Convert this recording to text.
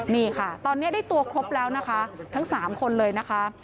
นี่ค่ะตอนนี้ได้ตัวครบแล้วนะคะทั้ง๓คนเลยนะคะ